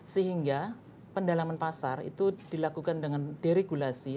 sehingga pendalaman pasar itu dilakukan dengan deregulasi